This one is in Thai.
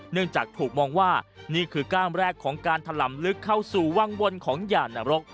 จากถูกมองว่านี่คือก้ามแรกของการถล่ำลึกเข้าสู่วังวลของหย่านรก